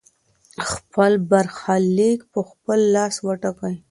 خپل برخليک په خپل لاس وټاکئ.